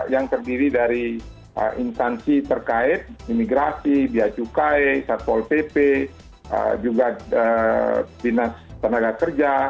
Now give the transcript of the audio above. yang terdiri dari instansi terkait imigrasi biaya cukai satpol pp juga binas tenaga kerja